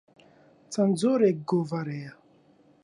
چەند جۆرێک گۆڤار هەیە.